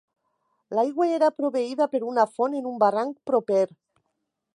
L'aigua era proveïda per una font en un barranc proper.